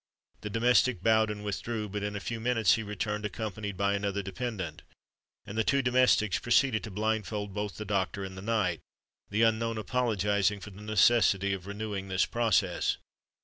The domestic bowed and withdrew: but in a few minutes he returned, accompanied by another dependant; and the two domestics proceeded to blindfold both the doctor and the knight, the unknown apologising for the necessity of renewing this process.